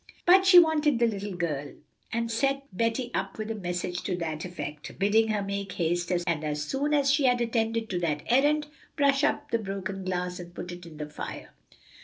But she wanted the little girl, and sent Betty up with a message to that effect, bidding her make haste, and as soon as she had attended to that errand, brush up the broken glass and put it in the fire.